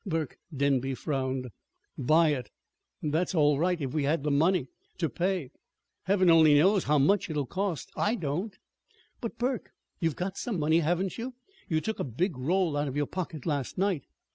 Burke Denby frowned. "Buy it! That's all right if we had the money to pay. Heaven only knows how much it'll cost. I don't." "But, Burke, you've got some money, haven't you? You took a big roll out of your pocket last night."